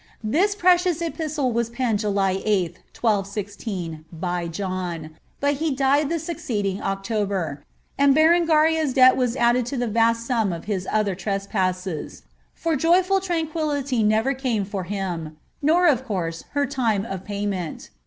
This precious epistle was penned July Sth, 1216, by John, but ba died the succeeding October, and Berengaria's debt was added to the n> ■nm of his other trespasses; for "joyful tranquillity" never canwls' liim, nor of course her time of payment.